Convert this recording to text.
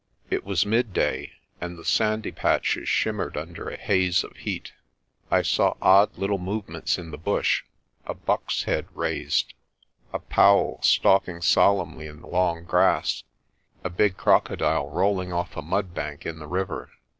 It was midday and the sandy patches shimmered under a haze of heat. I saw odd little movements in the bush a buck's head raised, a paauw stalking solemnly in the long grass, a big crocodile rolling off a mudbank in the river.